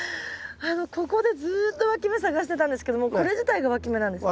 ここでずっとわき芽探してたんですけどもうこれ自体がわき芽なんですか？